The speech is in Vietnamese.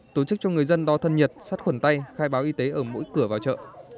tổ chức cho người dân đo thân nhiệt sắt khuẩn tay khai báo y tế ở mỗi cửa vào chợ